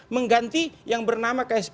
mengganti yang bernama kspb